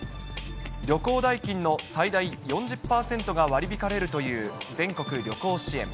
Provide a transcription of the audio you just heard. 旅行代金の最大４０％が割り引かれるという全国旅行支援。